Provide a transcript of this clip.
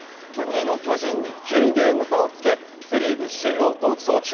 ２位の巨人に９ゲーム差をつけセ・リーグ首位を独走中。